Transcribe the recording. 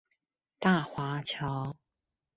大華橋